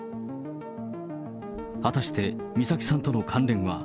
果たして美咲さんとの関連は。